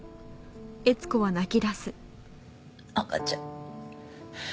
赤ちゃん。